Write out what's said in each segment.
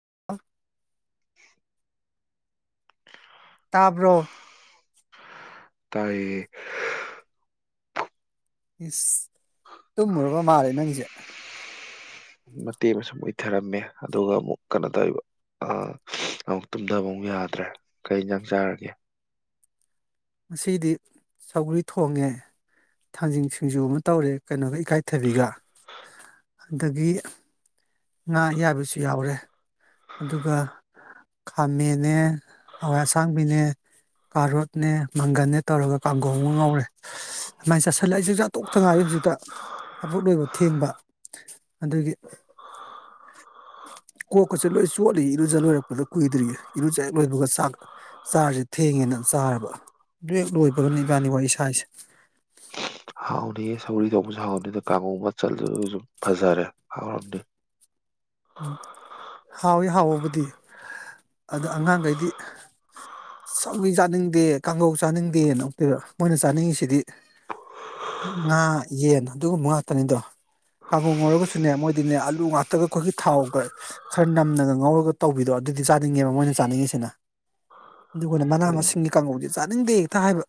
[unintelligible] [unintelligible] ꯇꯥꯕ꯭ꯔꯣ ꯇꯥꯏ ꯏꯁ ꯇꯨꯝꯃꯨꯔꯕ ꯃꯥꯜꯂꯦ ꯅꯪꯁꯦ ꯃꯇꯦꯛ ꯑꯃꯁꯨ ꯏꯊꯔꯝꯃꯦ ꯑꯗꯨꯒ ꯑꯃꯨꯛ ꯀꯩꯅꯣ ꯇꯧꯕ ꯑꯥ ꯑꯃꯨꯛ ꯇꯨꯝꯊꯕ ꯑꯃꯛ ꯌꯥꯗ꯭ꯔꯦ ꯀꯔꯤ ꯏꯟꯁꯥꯡ ꯆꯔꯒꯦ ꯉꯁꯤꯗꯤ ꯁꯧꯒ꯭ꯔꯤ ꯊꯣꯡꯉꯦ ꯊꯥꯡꯖꯤꯡ ꯁꯤꯡꯖꯨ ꯑꯃ ꯇꯧꯔꯦ ꯀꯩꯅꯣꯒ ꯏꯀꯥꯏꯊꯕꯤꯒ ꯑꯗꯒꯤ ꯉꯥ ꯑꯌꯥꯏꯕꯁꯨ ꯌꯥꯎꯔꯦ ꯑꯗꯨꯒ ꯈꯥꯝꯃꯦꯅꯦ ꯍꯋꯥꯏ ꯑꯁꯥꯡꯕꯤꯅꯦ ꯀꯥꯔꯣꯠꯅꯦ ꯃꯪꯒꯜꯟꯅ ꯇꯧꯔꯒ ꯀꯥꯡꯒꯣꯒ ꯉꯧꯔꯦ ꯑꯗꯨꯃꯥꯏꯅ ꯆꯥꯁꯤꯜꯂꯛꯏꯁꯤꯁꯨ ꯑꯇꯣꯛꯇ ꯉꯥꯏꯔꯤ ꯍꯧꯖꯤꯛꯇ ꯍꯥꯕꯛ ꯂꯣꯏꯕ ꯊꯦꯡꯕ ꯑꯗꯨꯒꯤ ꯀꯣꯛꯀꯁꯦ ꯂꯣꯏ ꯆꯣꯠꯂꯤ ꯏꯔꯨꯖ ꯂꯣꯏꯔꯛꯄꯗ ꯀꯨꯏꯗ꯭ꯔꯤꯌꯦ ꯏꯔꯨꯖ ꯂꯣꯏꯕꯒ ꯆꯥꯛ ꯆꯥꯔꯁꯦ ꯊꯦꯡꯉꯦꯅ ꯆꯥꯔꯕ ꯕꯦꯛ ꯂꯣꯏꯕꯒꯅ ꯏꯕꯥꯅꯤꯛ ꯋꯥꯔꯤ ꯏꯁꯥꯁꯦ ꯍꯥꯎꯅꯤꯌꯦ ꯁꯧꯔꯤ ꯊꯣꯡꯧꯕꯁꯨ ꯍꯥꯎꯅꯤꯗ ꯀꯥꯡꯉꯨ ꯃꯆꯜꯁꯨ ꯁꯨꯝ ꯐꯖꯔꯦ ꯍꯥꯎꯔꯝꯅꯤ ꯎꯝ ꯍꯥꯎꯏꯤ ꯍꯥꯎꯋꯕꯨꯗꯤ ꯑꯗ ꯑꯉꯥꯡꯈꯩꯗꯤ ꯆꯧꯤ ꯆꯥꯅꯤꯡꯗꯦ ꯀꯥꯡꯒꯧ ꯆꯥꯅꯤꯡꯗꯦꯅꯛꯇ ꯃꯣꯏꯅ ꯆꯥꯅꯤꯡꯉꯤꯁꯤꯗꯤ ꯉꯥ ꯌꯦꯟ ꯑꯗꯨꯒꯨꯝꯕ ꯉꯥꯛꯇꯅꯤꯗꯣ ꯀꯥꯡꯥꯒꯣꯡ ꯑꯣꯏꯔꯒꯁꯨꯅꯦ ꯃꯣꯏꯗꯤꯅꯦ ꯑꯥꯂꯨ ꯉꯥꯛꯇꯒ ꯑꯩꯈꯣꯏꯒꯤ ꯊꯥꯎꯒ ꯈꯔ ꯅꯝꯅꯒ ꯉꯧꯔꯒ ꯇꯧꯕꯤꯗꯣ ꯑꯗꯨꯗꯤ ꯆꯥꯅꯤꯡꯉꯦꯕ ꯃꯣꯏꯅ ꯆꯥꯅꯤꯡꯉꯤꯁꯤꯅ ꯑꯗꯨꯒꯅ ꯃꯅꯥ ꯎꯝ ꯃꯁꯤꯡꯒꯤ ꯀꯥꯡꯍꯧꯖꯦ ꯆꯥꯅꯤꯡꯗꯦ ꯍꯦꯛꯇ ꯍꯥꯏꯕ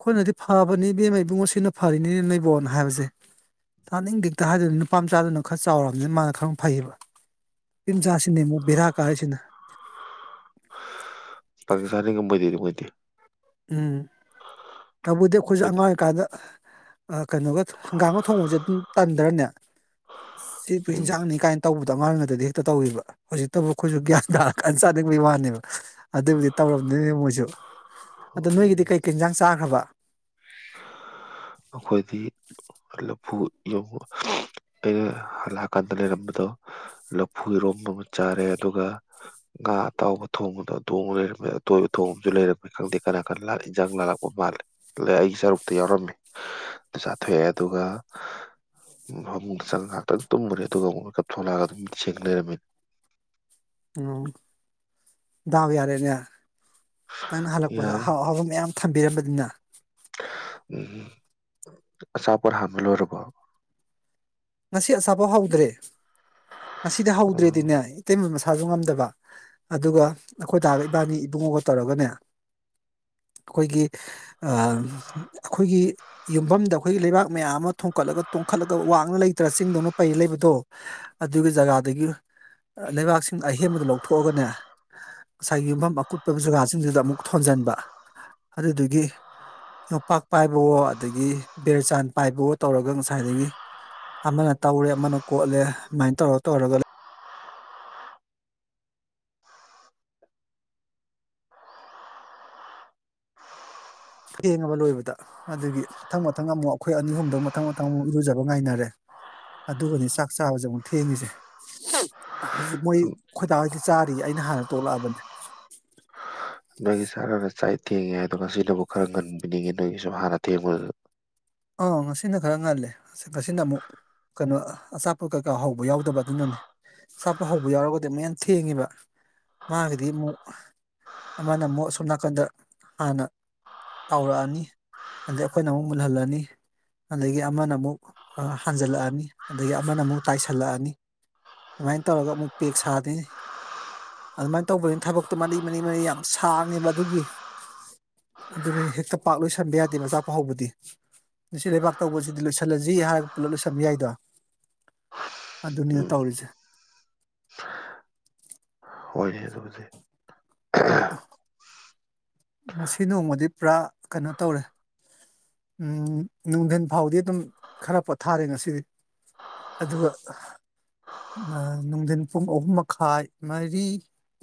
ꯑꯩꯈꯣꯏꯅꯗꯤ ꯐꯕꯅꯤ ꯏꯕꯦꯝꯃ ꯏꯕꯨꯡꯉꯣ ꯁꯤꯅ ꯐꯔꯤꯅꯤꯅꯦ ꯅꯣꯏꯕꯣꯅ ꯍꯥꯏꯕꯁꯦ ꯇꯥꯅꯤꯡꯗꯦ ꯍꯦꯛꯇ ꯍꯥꯏꯗꯣꯏꯅꯦ ꯅꯨꯄꯥ ꯃꯆꯥꯗꯨꯅ ꯈꯔ ꯆꯥꯎꯔꯕꯅꯤꯅ ꯃꯥꯅ ꯈꯔ ꯐꯩꯌꯦꯕ ꯅꯨꯄꯤꯝ ꯆꯥꯁꯤꯅꯦ ꯑꯃꯨꯛ ꯕꯦꯔꯥ ꯀꯥꯔꯤꯁꯤꯅ [unintelligible] ꯉꯝꯃꯣꯏꯗꯣꯏꯅꯤ ꯃꯣꯏꯗꯤ ꯎꯝ ꯇꯧꯕꯨꯗꯤ ꯑꯩꯈꯣꯏꯁꯨ ꯃꯣꯏꯗꯤ ꯑꯉꯥꯡ ꯑꯣꯏꯀꯥꯟꯗ ꯑ ꯀꯩꯅꯣꯒ ꯍꯪꯒꯥꯝꯒ ꯊꯣꯡꯕꯖꯦ ꯑꯗꯨꯝ ꯇꯟꯗꯔꯅꯦ ꯁꯤꯕꯨ ꯎꯝ ꯏꯟꯖꯥꯡꯅꯤ ꯀꯥꯏꯅ ꯇꯧꯕꯗꯣ ꯑꯉꯥꯡ ꯑꯣꯏꯔꯤꯉꯩꯗꯗꯤ ꯍꯦꯛꯇ ꯇꯧꯋꯦꯕ ꯍꯧꯖꯤꯛꯇꯕꯨ ꯑꯩꯈꯣꯏꯁꯨ ꯒ꯭ꯌꯥꯟ ꯇꯥꯔꯀꯥꯟ ꯆꯥꯅꯤꯡꯕꯩ ꯋꯥꯅꯦꯕ ꯑꯗꯨꯕꯨꯗꯤ ꯇꯧꯔꯝꯗꯣꯏꯅꯦ ꯃꯣꯏꯁꯨ ꯑꯗꯣ ꯅꯣꯏꯒꯤꯗꯤ ꯎꯝ ꯀꯩꯀꯩ ꯏꯟꯖꯥꯡ ꯆꯥꯈ꯭ꯔꯕ ꯑꯈꯣꯏꯗꯤ ꯂꯐꯨ ꯏꯔꯣꯝꯕ ꯑꯩꯅ ꯍꯜꯂꯛꯑꯀꯥꯟꯗ ꯂꯩꯔꯝꯕꯗꯣ ꯂꯐꯨ ꯏꯔꯣꯝꯕ ꯑꯃ ꯆꯥꯔꯦ ꯑꯗꯨꯒ ꯉꯥ ꯑꯇꯥꯎꯕ ꯊꯣꯡꯕꯗꯣ ꯑꯗꯨ ꯑꯃ ꯂꯩꯔꯝꯃꯦ ꯑꯇꯣꯏꯕ ꯊꯣꯡꯕꯁꯨ ꯂꯩꯔꯝꯃꯦ ꯈꯪꯗꯦ ꯀꯅꯥ ꯀꯅꯥ ꯏꯟꯖꯥꯡ ꯂꯥꯜꯂꯛꯄ ꯃꯥꯜꯂꯦ ꯂꯦ ꯑꯩꯒꯤ ꯁꯔꯨꯛꯇ ꯌꯥꯎꯔꯝꯃꯦ ꯑꯗꯨ ꯆꯥꯊꯣꯛꯑꯦ ꯑꯗꯨꯒ ꯐꯃꯨꯡꯗ ꯆꯪꯉ ꯉꯥꯛꯇꯪ ꯇꯨꯝꯃꯨꯔꯦ ꯑꯗꯨꯒ ꯑꯃꯨꯛ ꯃꯤꯀꯞ ꯊꯣꯛꯂꯛꯑꯒ ꯑꯗꯨꯝ ꯃꯤꯠ ꯁꯤꯡ ꯂꯩꯔꯝꯃꯦ ꯎꯝ ꯗꯥꯎ ꯌꯥꯔꯦꯅꯦ ꯅꯪꯅ ꯍꯜꯂꯛꯄꯗ ꯌꯥꯔꯦ ꯑꯍꯥꯎ ꯑꯍꯥꯎꯕ ꯃꯌꯥꯝ ꯊꯝꯕꯤꯔꯝꯕꯅꯤꯅ ꯎꯝ ꯑꯆꯥꯄꯣꯠ ꯍꯥꯟꯕ ꯂꯣꯏꯔꯕꯣ ꯉꯁꯤ ꯑꯆꯥꯄꯣꯠ ꯍꯧꯗ꯭ꯔꯦ ꯉꯁꯤꯗꯤ ꯎꯝ ꯍꯧꯗ꯭ꯔꯦꯗꯤꯅꯦ ꯏꯇꯩꯃ ꯃꯁꯥꯖꯨ ꯉꯝꯗꯕ ꯑꯗꯨꯒ ꯑꯩꯈꯣꯏ ꯗꯥꯒ ꯏꯕꯥꯅꯤ ꯏꯕꯨꯡꯉꯣꯒ ꯇꯧꯔꯒꯅꯦ ꯑꯩꯈꯣꯏꯒꯤ ꯑ ꯑꯩꯈꯣꯏꯒꯤ ꯌꯨꯝꯕꯝꯗ ꯑꯩꯈꯣꯏꯒꯤ ꯂꯩꯕꯥꯛ ꯃꯌꯥꯝ ꯑꯃ ꯊꯣꯡꯀꯠꯂꯒ ꯇꯣꯡꯈꯠꯂꯒ ꯋꯥꯡꯉ ꯂꯩ ꯇ꯭ꯔ ꯆꯤꯡꯗꯧꯅ ꯄꯩ ꯂꯩꯕꯗꯣ ꯑꯗꯨꯒꯤ ꯖꯒꯥꯗꯒꯤ ꯑ ꯂꯩꯕꯥꯛꯁꯤꯡ ꯑꯍꯦꯟꯕꯗꯣ ꯂꯧꯊꯣꯛꯑꯒꯅꯦ ꯉꯁꯥꯏꯒꯤ ꯌꯨꯝꯕꯝ ꯑꯀꯨꯠꯄ ꯖꯒꯥꯖꯤꯡꯗꯨꯗ ꯑꯃꯨꯛ ꯊꯣꯟꯖꯟꯕ ꯑꯗꯨꯗꯨꯒꯤ ꯌꯣꯝꯄꯥꯛ ꯄꯥꯏꯕꯋꯣ ꯑꯗꯒꯤ ꯕꯤꯔꯆꯥꯟ ꯄꯥꯏꯕꯋꯣ ꯇꯧꯔꯒ ꯉꯁꯥꯏꯗꯒꯤ ꯑꯃꯅ ꯇꯧꯔꯦ ꯑꯃꯅ ꯀꯣꯠꯂꯦ ꯑꯗꯨꯃꯥꯏꯟ ꯇꯧꯔ ꯇꯧꯔꯒ ꯊꯦꯡꯉꯕ ꯂꯣꯏꯕꯗ ꯑꯗꯨꯒꯤ ꯃꯊꯪ ꯃꯊꯪ ꯑꯃꯨꯛ ꯑꯩꯈꯣꯏ ꯑꯅꯤ ꯑꯍꯨꯝꯗꯣ ꯃꯊꯪ ꯃꯊꯪ ꯑꯃꯨꯛ ꯏꯔꯨꯖꯕ ꯉꯥꯏꯅꯔꯦ ꯑꯗꯨꯒꯅꯤ ꯆꯥꯛ ꯆꯥꯕꯖꯦ ꯑꯃꯨꯛ ꯊꯦꯡꯉꯤꯖꯦ ꯍꯧꯖꯤꯛ ꯃꯣꯏ ꯈꯣꯏꯗꯥ ꯍꯣꯏꯗꯤ ꯆꯥꯔꯤ ꯑꯩꯅ ꯍꯥꯟꯅ ꯇꯣꯛꯂꯛꯑꯕꯅꯤ ꯅꯣꯏꯒꯤ ꯆꯥꯛ ꯉꯟꯅ ꯆꯥꯏ ꯊꯦꯡꯉꯦ ꯍꯥꯏꯗꯣ ꯉꯁꯤꯅꯕꯨ ꯈꯔ ꯉꯟꯕꯣꯏꯅꯤꯡꯉꯤ ꯅꯣꯏꯒꯤꯁꯨ ꯍꯥꯟꯅ ꯊꯦꯡꯕꯗꯨ ꯑꯥ ꯉꯁꯤꯅ ꯈꯔ ꯉꯜꯂꯦ ꯉꯁꯤꯅ ꯑꯃꯨꯛ ꯀꯩꯅꯣ ꯑꯆꯥꯄꯣꯠ ꯀꯩꯀꯥ ꯍꯧꯕ ꯌꯥꯎꯗꯕ ꯑꯗꯨꯅꯅꯤ ꯑꯆꯥꯄꯣꯠ ꯍꯧꯕ ꯌꯥꯎꯔꯒꯗꯤ ꯑꯃꯨꯛ ꯍꯦꯟꯅ ꯊꯦꯡꯉꯦꯕ ꯃꯥꯒꯤꯗꯤ ꯑꯃꯨꯛ ꯑꯃꯅ ꯑꯃꯨꯛ ꯑꯁꯣꯝ ꯅꯥꯀꯟꯗ ꯍꯥꯟꯅ ꯇꯥꯎꯔꯛꯑꯅꯤ ꯑꯗꯩ ꯑꯩꯈꯣꯏꯅ ꯑꯃꯨꯛ ꯃꯨꯜꯍꯜꯂꯅꯤ ꯑꯗꯒꯤ ꯑꯃꯅ ꯑꯃꯨꯛ ꯍꯥꯟꯖꯜꯂꯛꯑꯅꯤ ꯑꯗꯒꯤ ꯑꯃꯅ ꯑꯃꯨꯛ ꯇꯥꯏꯁꯜꯂꯛꯑꯅꯤ ꯑꯗꯨꯃꯥꯏꯅ ꯇꯧꯔꯒ ꯑꯃꯨꯛ ꯄꯦꯛ ꯁꯥꯗꯣꯏꯅꯤ ꯑꯗꯨꯃꯥꯏꯟ ꯇꯧꯕꯅꯤꯅ ꯊꯕꯛꯇꯣ ꯃꯔꯤ ꯃꯔꯤ ꯃꯔꯤ ꯌꯥꯝ ꯁꯥꯡꯉꯦꯕ ꯑꯗꯨꯒꯤ ꯑꯗꯨꯅꯤ ꯍꯦꯛꯇ ꯄꯥꯛ ꯂꯣꯏꯁꯟꯕ ꯌꯥꯗꯦꯕ ꯑꯆꯥꯄꯣꯠ ꯍꯧꯕꯗꯤ ꯉꯁꯤ ꯂꯩꯕꯥꯛ ꯇꯧꯕꯖꯤꯗꯤ ꯂꯣꯏꯁꯜꯂꯖꯤ ꯍꯥꯏꯔꯒ ꯄꯨꯂꯞ ꯂꯣꯏꯁꯟꯕ ꯌꯥꯏꯗꯣ ꯑꯗꯨꯅꯤ ꯎꯝ ꯇꯧꯔꯤꯖꯦ ꯍꯣꯏꯅꯦ ꯑꯗꯨꯕꯨꯗꯤ [unintelligible] ꯉꯁꯤ ꯅꯣꯡꯃꯗꯤ ꯄꯨꯔꯥ ꯀꯩꯅꯣ ꯇꯧꯔꯦ ꯎꯝ ꯅꯨꯡꯗꯤꯟ ꯐꯥꯎꯗꯤ ꯑꯗꯨꯝ ꯈꯔ ꯄꯣꯊꯥꯔꯦ ꯉꯁꯤꯗꯤ ꯑꯗꯨꯒ ꯅꯨꯡꯗꯤꯟ ꯄꯨꯡ ꯑꯍꯨꯝ ꯃꯈꯥꯏ ꯃꯔꯤ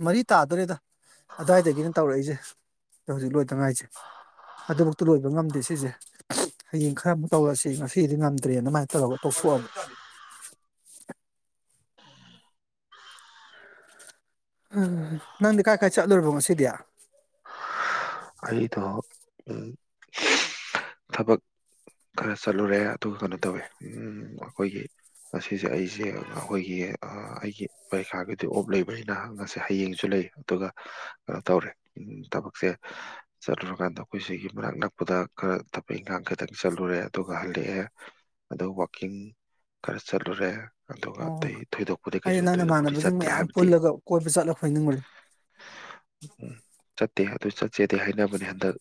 ꯃꯔꯤ ꯇꯥꯗꯧꯔꯦꯗ ꯑꯗꯥꯏꯗꯒꯤꯅꯦ ꯇꯧꯔꯛꯏꯖꯦ ꯍꯧꯖꯤꯛ ꯂꯣꯏꯇꯉꯥꯏꯖꯦ ꯑꯗꯨꯃꯛꯇ ꯂꯣꯏꯕ ꯉꯝꯗꯦ ꯁꯤꯖꯦ ꯍꯌꯦꯡ ꯈꯔ ꯑꯃꯨꯛ ꯇꯧꯔꯁꯤ ꯉꯁꯤꯗꯤ ꯉꯝꯗ꯭ꯔꯦ ꯑꯗꯨꯃꯥꯏꯟ ꯇꯧꯔꯒ ꯇꯧꯊꯣꯛꯑ [unintelligible] ꯅꯪꯗꯤ ꯀꯥꯏ ꯀꯥꯏ ꯆꯠꯂꯨꯔꯕꯣ ꯉꯁꯤꯗꯤ ꯑꯩꯗꯣ ꯎꯝ ꯊꯕꯛ ꯈꯔ ꯆꯠꯂꯨꯔꯦ ꯑꯗꯨꯒ ꯀꯩꯅꯣ ꯇꯧꯋꯦ ꯑꯩꯈꯣꯏꯒꯤ ꯉꯁꯦ ꯑꯩꯁꯦ ꯑꯩꯈꯣꯏꯒꯤ ꯑꯩꯒꯤ ꯄꯔꯤꯈꯥꯒꯤꯗꯤ ꯑꯣꯞ ꯂꯩꯕꯅꯤꯅ ꯉꯁꯤ ꯍꯌꯦꯡꯁꯨ ꯂꯩ ꯑꯗꯨꯒ ꯀꯩꯅꯣ ꯇꯧꯔꯦ ꯊꯕꯛꯁꯦ ꯆꯠꯂꯨꯔꯀꯥꯟꯗ ꯑꯩꯈꯣꯏ ꯁꯤꯒꯤ ꯃꯅꯥꯛ ꯅꯛꯄꯗ ꯈꯔ ꯊꯕꯛ ꯏꯪꯈꯥꯡ ꯈꯇꯪ ꯆꯠꯂꯨꯔꯦ ꯑꯗꯨꯒ ꯍꯜꯂꯛꯑꯦ ꯑꯗꯨ ꯋꯥꯛꯀꯤꯡ ꯈꯔ ꯆꯠꯂꯨꯔꯦ ꯑꯗꯨꯒ ꯑꯣ ꯑꯇꯩ ꯊꯣꯏꯗꯣꯛꯄꯗꯤ ꯑꯩ ꯀꯩꯁꯨ ꯅꯪ ꯊꯣꯏꯗꯣꯛꯄꯗꯤ ꯅꯃꯥꯟꯅꯕꯁꯤꯡ ꯆꯠꯇ꯭ꯔꯦ ꯃꯌꯥꯝ ꯍꯥꯏꯕꯗꯤ ꯄꯨꯜꯂꯒ ꯀꯣꯏꯕ ꯆꯠꯂ ꯈꯣꯏꯅꯤꯡꯕꯅꯦ ꯎꯝ ꯆꯠꯇꯦ ꯑꯗꯨ ꯆꯠꯁꯦꯗꯤ ꯍꯥꯏꯅꯕꯅꯦ ꯍꯟꯗꯛ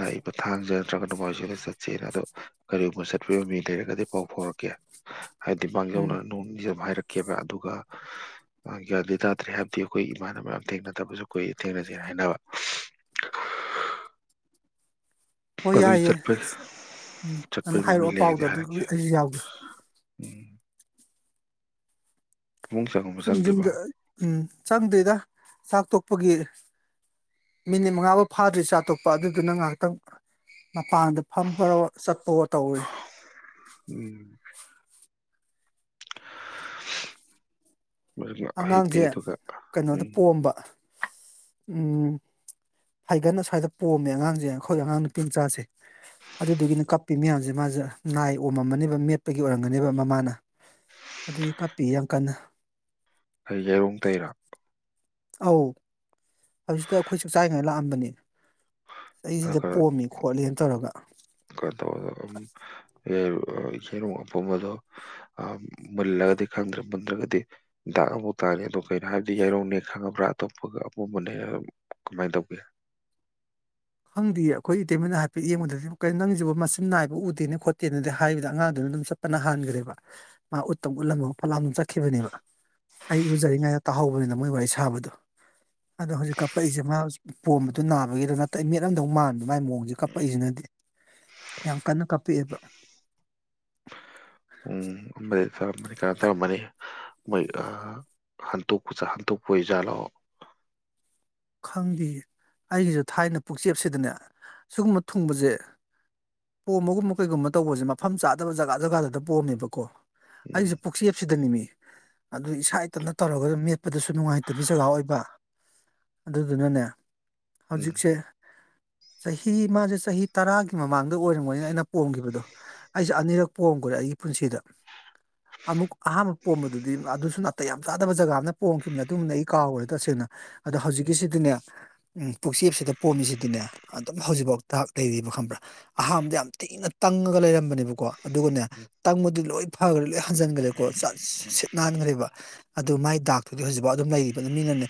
ꯂꯥꯛꯏꯕ ꯊꯥꯡꯖ ꯅꯠꯇ꯭ꯔꯒ ꯅꯣꯡꯃꯥꯏꯖꯤꯡꯁꯤꯗ ꯆꯠꯁꯦꯅ ꯑꯗꯣ ꯀꯔꯤꯒꯨꯝꯕ ꯆꯠꯄꯤꯒꯤ ꯃꯃꯤ ꯂꯩꯔꯒꯗꯤ ꯄꯥꯎ ꯐꯥꯎꯔꯛꯀꯦ ꯍꯥꯏꯗꯤ ꯎꯝ ꯃꯥꯡꯖꯧꯅꯔꯅꯤ [unintelligible] ꯍꯥꯏꯔꯛꯀꯦꯕ ꯑꯗꯨꯒ ꯒ꯭ꯌꯥꯟ ꯇꯥꯗ꯭ꯔꯦ ꯍꯥꯏꯕꯗꯤ ꯑꯩꯈꯣꯏ ꯏꯃꯥꯟꯅꯕ ꯃꯌꯥꯝ ꯊꯦꯡꯅꯗꯕꯁꯨ ꯀꯨꯏꯔꯦ ꯊꯦꯡꯅꯖꯦ ꯍꯥꯏꯅꯕ ꯍꯣꯏ ꯑꯗꯨꯏ ꯌꯥꯏꯌꯦ ꯆꯠꯄꯩ ꯎꯝ ꯑꯗꯨꯝ ꯆꯠꯄꯒꯤ ꯃꯃꯤ ꯍꯥꯏꯔꯛꯑꯣ ꯄꯥꯎꯗꯣ ꯂꯩꯔꯗꯤ ꯍꯥꯏꯔꯛꯀꯦ ꯑꯗꯨꯒꯤ ꯑꯩꯁꯨ ꯌꯥꯎꯒꯦ ꯎꯝ ꯄꯨꯡ ꯆꯪꯒꯨꯝꯕ ꯁꯨꯝ ꯆꯪꯗ꯭ꯔꯤꯕ ꯌꯨꯝꯗ ꯎꯝ ꯆꯪꯗꯦꯗ ꯆꯥꯛ ꯇꯣꯛꯄꯒꯤ ꯃꯤꯅꯤꯠ ꯃꯉꯥꯐꯥꯎ ꯐꯥꯗ꯭ꯔꯤ ꯆꯥꯛꯇꯣꯛꯄꯒꯤ ꯑꯗꯨꯗꯨꯅ ꯉꯥꯏꯍꯥꯛꯇꯪ ꯃꯄꯥꯟꯗ ꯐꯝꯕꯋꯣ ꯆꯠꯄꯋꯣ ꯇꯧꯏ ꯎꯝ ꯃꯗꯨꯅ ꯍꯤꯞꯄꯦ ꯑꯉꯥꯡꯁꯦ ꯑꯗꯨꯒ ꯀꯩꯅꯣꯗ ꯎꯝ ꯄꯣꯝꯕ ꯎꯝ ꯐꯩꯒꯟ ꯁ꯭ꯋꯥꯏꯗ ꯄꯣꯝꯃꯦ ꯑꯉꯥꯡꯁꯦ ꯑꯩꯈꯣꯏ ꯑꯉꯥꯡ ꯅꯨꯄꯤꯃꯆꯥꯥꯁꯦ ꯑꯗꯨꯗꯨꯒꯤꯅ ꯀꯞꯄꯤ ꯃꯌꯥꯝꯁꯦ ꯃꯥꯁꯦ ꯅꯥꯏ ꯑꯣꯝꯃꯝꯃꯅꯦꯕ ꯃꯦꯠꯄꯒꯤ ꯑꯣꯏꯔꯝꯒꯅꯦꯕ ꯃꯃꯥꯅ ꯑꯗꯨꯒꯤ ꯀꯥꯞꯄꯤ ꯌꯥꯝ ꯀꯟꯅ ꯑꯩ ꯌꯩꯔꯣꯡ ꯇꯩꯔꯤꯔꯣ ꯑꯧ ꯍꯧꯖꯤꯛꯇ ꯑꯩꯈꯣꯏꯁꯨ ꯆꯥꯛ ꯆꯥꯏꯉꯥꯏꯗ ꯂꯥꯛꯑꯝꯕꯅꯤ ꯑꯩꯁꯤꯗ ꯈꯔ ꯄꯣꯝꯃꯤ ꯈꯣꯠꯂꯤꯅ ꯇꯧꯔꯒ [unintelligible] [unintelligible] ꯃꯨꯜꯂꯒꯗꯤ ꯈꯪꯗ꯭ꯔꯦ ꯃꯨꯟꯗ꯭ꯔꯒꯗꯤ ꯗꯥꯛ ꯑꯃꯨꯛ ꯇꯥꯅꯤ ꯑꯗꯣ ꯀꯩꯅꯣ ꯍꯥꯏꯔꯗꯤ ꯌꯥꯏꯔꯣꯡꯅꯦ ꯈꯪꯉꯕ꯭ꯔꯥ ꯑꯇꯣꯞꯄꯒ ꯑꯄꯨꯝꯕꯅꯦ ꯀꯃꯥꯏꯅ ꯇꯧꯒꯦ ꯈꯪꯗꯦ ꯑꯩꯈꯣꯏ ꯏꯇꯩꯃꯅ ꯍꯥꯏꯐꯦꯠ ꯌꯦꯡꯕꯗꯗꯤ ꯀꯩꯅꯣ ꯅꯪꯒꯤꯁꯤꯕꯨ ꯃꯆꯤꯟ ꯅꯥꯏꯕ ꯎꯗꯦꯅ ꯈꯣꯠꯇꯦꯅꯗꯤ ꯍꯥꯏꯕꯗ ꯑꯉꯥꯡꯗꯨꯅ ꯑꯗꯨꯝ ꯁꯞ ꯄꯅ ꯍꯟꯈ꯭ꯔꯦꯕ ꯃꯥ ꯎꯠꯇꯪ ꯎꯠꯂꯝꯃ ꯐꯠꯂꯥꯎꯅ ꯑꯗꯨꯝ ꯆꯠꯈꯤꯕꯅꯦꯕ ꯑꯩ ꯏꯔꯨꯖꯔꯤꯉꯩꯗ ꯇꯥꯍꯧꯕꯅꯤꯗ ꯃꯣꯏ ꯋꯥꯔꯤ ꯁꯥꯕꯗꯣ ꯑꯗꯣ ꯍꯧꯖꯤꯛ ꯀꯥꯄꯛꯏꯁꯦ ꯃꯥ ꯄꯣꯝꯕꯗꯨ ꯅꯥꯕꯒꯤꯔ ꯅꯠꯇ ꯑꯩ ꯃꯦꯠꯂꯝꯗꯧ ꯃꯥꯟꯕꯗ ꯃꯥꯏ ꯃꯑꯣꯡꯁꯦ ꯀꯞꯄꯛꯏꯁꯤꯅꯗꯤ ꯌꯥꯝ ꯀꯟꯅ ꯀꯞꯄꯛꯑꯦꯕ ꯎꯝ ꯑꯃꯗꯤ ꯇꯧꯔꯝꯃꯅꯤ ꯀꯩꯅꯣ ꯇꯧꯔꯝꯃꯅꯤ ꯃꯣꯏ ꯑ ꯍꯟꯇꯣꯛꯆꯥ ꯍꯟꯇꯣꯛꯄ ꯑꯣꯏꯖꯥꯠꯂꯣ ꯈꯪꯗꯦ ꯑꯩꯒꯤꯁꯨ ꯊꯥꯏꯅ ꯄꯨꯛꯆꯦꯞꯁꯤꯗꯅꯦ ꯁꯤꯒꯨꯝꯕ ꯊꯨꯡꯕꯁꯦ ꯄꯣꯝꯕꯒꯨꯝꯕ ꯀꯩꯒꯨꯝꯕ ꯇꯧꯕꯁꯦ ꯃꯐꯝ ꯆꯥꯗꯕ ꯖꯒꯥ ꯖꯒꯥꯗꯗ ꯄꯣꯝꯃꯦꯕꯀꯣ ꯎꯝ ꯑꯩꯁꯦ ꯄꯨꯛꯆꯦꯞꯁꯤꯗꯅꯤ ꯃꯤ ꯑꯗꯨ ꯏꯁꯥ ꯏꯊꯟꯇ ꯇꯧꯔꯒ ꯃꯦꯠꯄꯗꯁꯨ ꯅꯨꯡꯉꯥꯏꯇꯕꯤ ꯖꯒꯥ ꯑꯣꯏꯕ ꯑꯗꯨꯗꯨꯅꯅꯦ ꯎꯝ ꯍꯧꯖꯤꯛꯁꯦ ꯆꯍꯤ ꯃꯥꯁꯦ ꯆꯍꯤ ꯇꯔꯥꯒꯤ ꯃꯃꯥꯡꯗ ꯑꯣꯏꯔꯝꯒꯅꯤ ꯑꯩꯅ ꯄꯣꯝꯈꯤꯕꯗꯣ ꯑꯩꯁꯦ ꯑꯅꯤꯔꯛ ꯄꯣꯝꯒꯔꯦ ꯑꯩꯒꯤ ꯄꯨꯟꯁꯤꯗ ꯑꯃꯨꯛ ꯑꯍꯥꯟꯕ ꯄꯣꯝꯕꯗꯨꯗꯤ ꯑꯗꯨꯁꯨ ꯅꯥꯇꯩ ꯌꯥꯝ ꯆꯥꯗꯕ ꯖꯒꯥ ꯑꯃꯗ ꯄꯣꯝꯈꯤꯕꯅꯤ ꯑꯗꯨꯝꯗꯤ ꯑꯩ ꯀꯥꯎꯈ꯭ꯔꯦ ꯇꯁꯦꯡꯅ ꯑꯗꯣ ꯍꯧꯖꯤꯛꯀꯤꯁꯤꯗꯤꯅꯦ ꯄꯨꯛꯆꯦꯞꯁꯤꯗ ꯄꯣꯝꯃꯤꯁꯤꯗꯤꯅꯦ ꯑꯗ- ꯍꯧꯖꯤꯛꯐꯥꯎ ꯗꯥꯛ ꯂꯩꯔꯤꯕ ꯈꯪꯕ꯭ꯔꯥ ꯑꯍꯥꯟꯕꯗ ꯌꯥꯝ ꯊꯤꯅ ꯇꯪꯉꯒ ꯂꯩꯔꯝꯕꯅꯦꯕꯀꯣ ꯑꯗꯨꯒꯅꯦ ꯇꯪꯕꯗꯨ ꯂꯣꯏ ꯐꯈ꯭ꯔꯦ ꯂꯣꯏ ꯍꯟꯖꯤꯟꯒꯔꯦꯀꯣ ꯁꯠ ꯁꯤꯠ ꯅꯥꯟꯒꯔꯦꯕ ꯑꯗꯨ ꯃꯥꯏ ꯗꯥꯛ- ꯇꯨꯗꯤ ꯍꯧꯖꯤꯛꯐꯥꯎ ꯑꯗꯨꯝ ꯂꯩꯔꯤꯕ ꯃꯤꯅꯅꯦ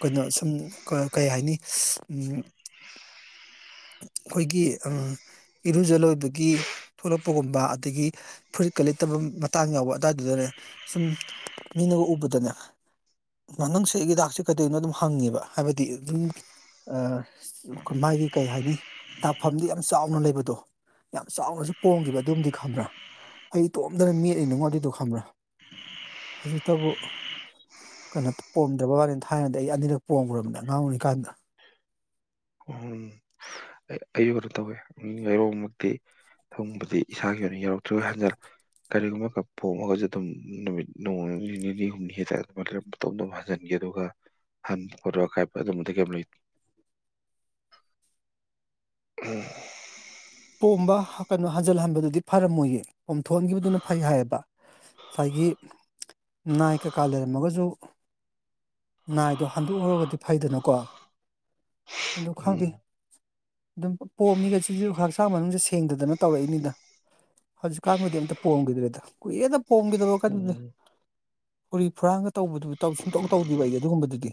ꯀꯩꯅꯣ ꯁꯨꯝ ꯀ ꯀꯩ ꯍꯥꯏꯅꯤ ꯎꯝ ꯑꯩꯈꯣꯏꯒꯤ ꯑ ꯏꯔꯨꯖ ꯂꯣꯏꯕꯒꯤ ꯊꯣꯂꯛꯄꯒꯨꯝꯕ ꯑꯗꯒꯤ ꯐꯨꯔꯤꯠꯀ ꯂꯤꯠꯇꯕ ꯃꯇꯥꯡ ꯌꯥꯎꯕ ꯑꯗꯥꯏꯗꯨꯗꯅꯦ ꯁꯨꯝ ꯃꯤꯅꯒ ꯎꯕꯗꯅꯦ ꯃꯉꯥꯡꯁꯤꯏ ꯍꯤꯗꯥꯛꯁꯦ ꯀꯩꯗꯅꯣ ꯑꯗꯨꯝ ꯍꯪꯉꯦꯕ ꯍꯥꯏꯕꯗꯤ ꯑꯗꯨꯝ ꯃꯥꯒꯤ ꯀꯩ ꯍꯥꯏꯅꯤ ꯂꯥꯛꯐꯝꯗꯤ ꯌꯥꯝ ꯆꯥꯎꯅ ꯂꯩꯕꯗꯣ ꯌꯥꯝ ꯆꯥꯎꯅꯁꯨ ꯄꯣꯡꯝꯈꯤꯕ ꯑꯗꯨꯝꯗꯤ ꯈꯪꯕ꯭ꯔꯥ ꯑꯩ ꯇꯣꯝꯗꯅ ꯃꯦꯠꯂꯤꯅꯅꯨꯡꯉꯣ ꯑꯗꯨꯏꯗꯣ ꯈꯪꯕ꯭ꯔꯥ ꯍꯧꯖꯤꯛꯇꯕꯨ ꯀꯩꯅꯣ ꯄꯣꯝꯗ꯭ꯔꯕ ꯋꯥꯅ ꯍꯥꯏꯔꯅꯗꯤ ꯑꯩ ꯑꯅꯤꯔꯛ ꯄꯣꯡꯝꯈ꯭ꯔꯕꯅꯤꯅ ꯑꯉꯥꯡ ꯑꯣꯏꯔꯤꯀꯥꯟꯗ ꯎꯝ ꯑꯩꯌꯨ ꯑꯣꯏꯅ ꯇꯧꯋꯦ ꯉꯔꯣꯡꯃꯛꯇꯤ ꯊꯪꯕꯗꯤ ꯏꯁꯥꯒꯤ ꯑꯣꯏꯅ ꯌꯧꯔꯛꯇ꯭ꯔꯣꯏ ꯍꯟꯖꯔꯦ ꯀꯔꯤꯒꯨꯝꯕꯒ ꯐꯣꯝꯉꯒꯁꯨ ꯑꯗꯨꯝ ꯅꯨꯃꯤꯠ ꯅꯣꯡ ꯅꯤꯅꯤ ꯍꯨꯝꯅꯤ ꯍ ꯆ ꯑꯗꯨꯃꯥꯏ ꯇꯣꯝ ꯇ ꯍꯟꯖꯤꯟꯒꯦ ꯑꯗꯨꯒ ꯍꯟ ꯈꯣꯠꯄ ꯈꯥꯏꯄ ꯑꯗꯨꯝꯕꯗꯤ ꯀꯩꯝ ꯂꯩ ꯎꯝ ꯄꯣꯝꯕ ꯀꯩꯅꯣ ꯍꯟꯖꯤꯜꯍꯟꯕꯗꯨꯗꯤ ꯐꯔꯝꯃꯣꯏꯌꯦ ꯄꯣꯝꯊꯣꯛꯍꯟꯈꯤꯕꯗꯨꯅ ꯐꯩ ꯍꯥꯏꯌꯦꯕ ꯉꯁꯥꯏꯒꯤ ꯅꯥꯏ ꯀꯀꯥ ꯂꯩꯔꯝꯃꯒꯁꯨ ꯅꯥꯏꯗꯣ ꯍꯟꯗꯣꯛꯎꯒꯗꯤ ꯐꯩꯗꯅꯀꯣ ꯑꯗꯨ ꯎꯝ ꯈꯥꯡꯗꯦ ꯑꯗꯨꯝ ꯄꯣꯛꯑ ꯃꯤꯒꯁꯤꯁꯤꯁꯨ ꯈꯥꯡꯆꯦ ꯆ ꯃꯅꯨꯡꯁꯦ ꯁꯦꯡꯗꯗꯅ ꯇꯧꯔꯛꯏꯅꯤꯗ ꯍꯧꯖꯤꯛꯀꯥꯟꯕꯨꯗꯤ ꯑꯝꯇ ꯄꯣꯝꯈꯤꯗ꯭ꯔꯦꯗ ꯀꯨꯏꯦꯅ ꯄꯣꯡꯝꯈꯤꯗꯕ ꯀꯩꯅꯣꯅꯦ ꯎꯝ ꯎꯨꯔꯤ ꯐꯨꯔꯥꯟꯒ ꯇꯧꯕꯗꯨꯕꯨ ꯇꯧ ꯁꯨꯡꯇꯧ ꯇꯧꯗꯦꯕ ꯑꯩꯗꯤ ꯑꯗꯨꯒꯨꯝꯕꯗꯨꯗꯤ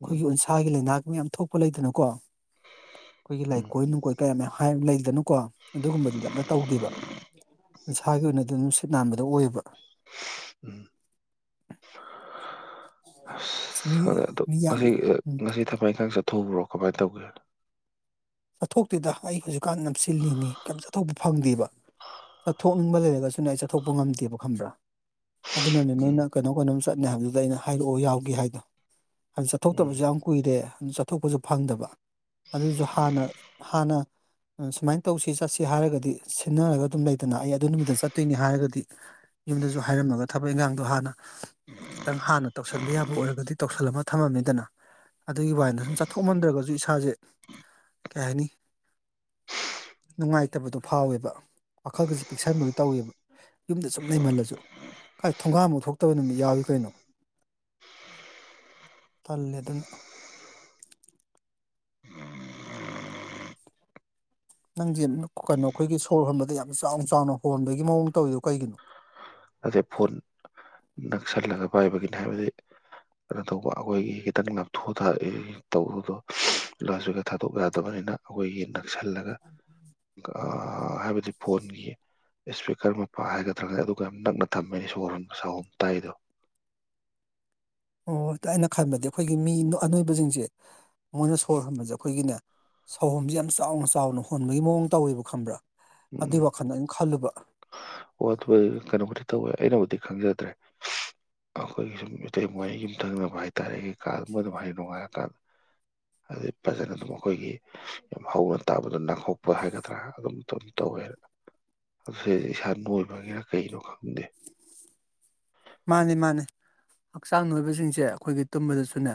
ꯎꯝ ꯎꯟꯁꯥꯒꯤ ꯂꯩꯅꯥ ꯃꯌꯥꯝ ꯊꯣꯛꯄ ꯂꯩꯗꯅꯀꯣ ꯑꯩꯈꯣꯏꯒꯤ ꯎꯝ ꯂꯥꯏꯀꯣꯏ ꯅꯨꯡꯀꯣꯏ ꯀꯌꯥ ꯃ ꯂꯩ ꯑꯗꯨꯗꯅꯨꯀꯣ ꯑꯗꯨꯒꯨꯝꯕꯗꯨꯗ ꯑꯝꯇ ꯇꯧꯗꯦꯕ ꯅꯁꯥꯒꯤ ꯑꯣꯏꯅꯗꯤ ꯑꯗꯨꯝꯅꯨꯡ ꯁꯤꯠ ꯅꯥꯟꯕꯗꯣ ꯑꯣꯏꯌꯦꯕ ꯎꯝ ꯁꯤ ꯑꯁ ꯑꯗ ꯃꯤ ꯑꯗꯨ ꯌꯥꯝ ꯉꯁꯤ ꯉꯁꯤ ꯊꯃꯛ ꯏꯪꯈꯥꯡ ꯆꯠꯊꯣꯛꯧꯕ꯭ꯔꯣ ꯀꯃꯥꯏꯅ ꯇꯧꯒꯦꯅ ꯆꯠꯊꯣꯛꯇꯨꯗ ꯑꯩ ꯍꯧꯖꯤꯛꯀꯥꯟ ꯅꯝꯁꯤꯜꯂꯤꯅꯤꯤ ꯀꯩꯝ ꯆꯠꯊꯣꯛꯄ ꯐꯪꯗꯦꯕ ꯆꯠꯊꯣꯛꯅꯤꯡꯕ ꯂꯩꯔꯒꯁꯨꯅꯦ ꯑꯩ ꯆꯠꯊꯣꯛꯄ ꯉꯝꯗꯦꯕ ꯈꯪꯕ꯭ꯔꯥ ꯑꯗꯨꯅꯅꯦ ꯎꯝ ꯅꯣꯏꯅ ꯀꯩꯅꯣ ꯀꯩꯅꯣꯝ ꯆꯠꯅꯤ ꯍꯥꯏꯕꯗꯨꯗ ꯑꯩꯅ ꯍꯥꯏꯔꯛꯑꯣ ꯌꯥꯎꯒꯦ ꯍꯥꯏꯗꯣ ꯑꯗꯨ ꯎꯝ ꯆꯠꯊꯣꯛꯇꯕꯁꯨ ꯌꯥꯝ ꯀꯨꯏꯔꯦ ꯑꯗꯨ ꯆꯠꯊꯣꯛꯄꯁꯨ ꯐꯪꯗꯕ ꯑꯗꯨꯁꯨ ꯍꯥꯟꯅ ꯍꯅ ꯁꯨꯃꯥꯏꯅ ꯇꯧꯁꯤ ꯆꯠꯁꯤ ꯍꯥꯏꯔꯒꯗꯤ ꯁꯤꯟꯅꯔꯒ ꯑꯗꯨꯝ ꯂꯩꯇꯅ ꯑꯩ ꯑꯗꯨ ꯅꯨꯃꯤꯠꯇ ꯆꯠꯇꯣꯏꯅꯤ ꯍꯥꯏꯔꯒꯗꯤ ꯌꯨꯝꯗꯁꯨ ꯍꯥꯏꯔꯝꯃꯒ ꯊꯕꯛ ꯏꯈꯥꯡꯗꯣ ꯍꯥꯟꯅ ꯈꯤꯇꯪ ꯍꯥꯟꯅ ꯇꯧꯁꯟꯕ ꯌꯥꯕ ꯑꯣꯏꯔꯒꯗꯤ ꯇꯧꯁꯜꯂꯝꯃ ꯊꯝꯃꯝꯅꯤꯗꯅ ꯑꯗꯨꯒꯤ ꯋꯥꯕꯥꯏꯗ ꯁꯨꯝ ꯆꯠꯊꯣꯛꯃꯟꯗ꯭ꯔꯒꯁꯨ ꯏꯁꯥꯁꯦ ꯀꯍꯦꯅꯤ ꯅꯨꯡꯉꯥꯏꯇꯕꯗꯣ ꯐꯥꯎꯋꯦꯕ ꯋꯥꯈꯜꯒꯁꯨ ꯄꯤꯛꯁꯟꯕꯒꯤ ꯇꯧꯋꯦꯕ ꯌꯨꯝꯗ ꯁꯨꯝ ꯂꯩꯩꯃꯜꯂꯁꯨ ꯀꯥꯏ ꯊꯣꯡꯒꯥꯝꯃꯨꯛ ꯊꯣꯛꯇꯕ ꯅꯨꯃꯤꯠ ꯌꯥꯎꯏ ꯀꯩꯅꯣ ꯇꯜꯂꯦꯗꯅ ꯅꯪꯁꯦ ꯀꯩꯅꯣ ꯑꯩꯈꯣꯏꯒꯤ ꯁꯣꯔ ꯍꯣꯟꯕꯗ ꯌꯥꯝ ꯆꯥꯎꯅ ꯆꯥꯎꯅ ꯍꯣꯟꯕꯒꯤ ꯃꯑꯣꯡ ꯇꯧꯋꯔꯤꯗꯣ ꯀꯩꯒꯤꯅꯣ ꯑꯗꯩ ꯐꯣꯟ ꯅꯛꯁꯜꯂꯒ ꯄꯥꯏꯕꯒꯤꯅꯤ ꯍꯥꯏꯕꯗꯤ ꯀꯩꯅꯣ ꯇꯧꯕ ꯑꯩꯈꯣꯏꯒꯤ ꯈꯤꯇꯪ ꯉꯞꯊꯣꯛ ꯇꯧꯕꯗꯣ ꯂꯥꯁꯒ ꯊꯥꯗꯣꯛ ꯌꯥꯗꯕꯅꯤꯅ ꯑꯩꯈꯣꯏꯒꯤꯟ ꯅꯛꯁꯜꯂꯒ ꯍꯥꯏꯕꯗꯤ ꯐꯣꯟꯒꯤ ꯏꯁꯄꯤꯀꯔ ꯃꯄꯥ ꯍꯥꯏꯒꯗ꯭ꯔꯥꯒ ꯑꯗꯨꯒ ꯅꯛꯅ ꯊꯝꯃꯤꯅꯤ ꯁꯣꯔꯣꯟ ꯁꯍꯨꯝ ꯇꯥꯏꯗꯣ ꯑꯣꯣꯏ ꯑꯩꯅ ꯈꯟꯕꯗꯤ ꯑꯩꯈꯣꯏꯒꯤ ꯃꯤ ꯑꯅꯣꯏꯕꯁꯤꯡꯁꯦ ꯃꯣꯏꯅ ꯁꯣꯔ ꯍꯣꯟꯕꯁꯦ ꯑꯩꯈꯣꯏꯒꯤꯅꯦ ꯁꯧꯍꯣꯝꯁꯦ ꯌꯥꯝ ꯆꯥꯎꯅ ꯆꯥꯎꯅ ꯍꯣꯟꯕꯒꯤ ꯃꯑꯣꯡ ꯇꯧꯋꯦꯕ ꯈꯪꯕ꯭ꯔꯥ ꯑꯗꯨꯏ ꯋꯥꯈꯜꯗ ꯑꯗꯨꯝ ꯈꯜꯂꯨꯕ ꯋꯥ ꯑꯗꯨ ꯀꯩꯅꯣꯕꯨꯗꯤ ꯇꯧꯋꯦ ꯑꯩꯅꯕꯨꯗꯤ ꯈꯪꯖꯗ꯭ꯔꯦ ꯑꯩꯈꯣꯏꯒꯤ ꯁꯨꯝ ꯏꯇꯩ ꯃ ꯌꯨꯝ ꯊꯪꯅꯕ ꯍꯥꯏꯇꯥꯔꯦ ꯀꯥ ꯃꯩ ꯅꯨꯡꯉꯥꯏꯔꯀꯥꯟꯗ ꯑꯗꯨꯗꯩ ꯐꯖꯅ ꯑꯗꯨꯝ ꯑꯩꯈꯣꯏꯒꯤ ꯌꯥꯝ ꯍꯧꯅ ꯇꯥꯕꯗ ꯅꯥꯍꯣꯛꯄ ꯍꯥꯏꯒꯗ꯭ꯔꯥ ꯑꯗꯨꯝꯝ ꯇꯧꯋꯦ ꯑꯗꯨ ꯏꯁꯥ ꯅꯣꯏꯕꯒꯤꯔ ꯀꯩꯅꯣ ꯈꯪꯗꯦ ꯃꯥꯅꯤ ꯃꯥꯅꯤ ꯍꯛꯆꯥꯡ ꯅꯣꯏꯕꯁꯤꯡꯁꯦ ꯑꯩꯈꯣꯏꯒꯤ ꯇꯨꯝꯕꯗꯁꯨꯅꯦ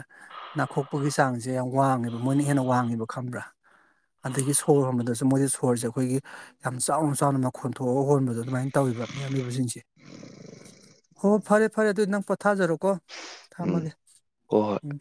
ꯅꯥꯈꯣꯛꯄꯒꯤ ꯆꯥꯡꯁꯦ ꯌꯥꯝ ꯋꯥꯡꯉꯦꯕ ꯃꯣꯏꯅ ꯍꯦꯟꯅ ꯋꯥꯡꯉꯦꯕ ꯈꯪꯕ꯭ꯔꯥ ꯑꯗꯒꯤ ꯁꯣꯔ ꯍꯣꯟꯕꯗꯁꯨ ꯃꯣꯏꯗꯤ ꯁꯣꯔꯁꯦ ꯑꯩꯈꯣꯏꯒꯤ ꯌꯥꯝ ꯆꯥꯎꯅ ꯆꯥꯎꯅ ꯃꯈꯣꯟ ꯊꯣꯛꯑꯒ ꯍꯣꯟꯕꯗꯣ ꯑꯗꯨꯃꯥꯏꯅ ꯇꯧꯋꯔꯤꯕꯕ ꯃꯤꯑꯅꫭꯏꯕꯁꯤꯡꯁꯦ ꯍꯣ ꯍꯣꯏ ꯐꯔꯦ ꯐꯔꯦ ꯑꯗꯨꯗꯤ ꯅꯪ ꯄꯣꯊꯥꯖꯔꯣꯀꯣ ꯎꯝ ꯊꯝꯃꯒꯦ ꯍꯣꯏ ꯍꯣꯏ ꯎꯝ